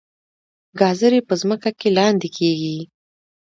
ګازرې په ځمکه کې لاندې کیږي